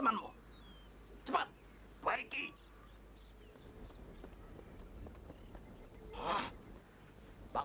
penjahat perampok itu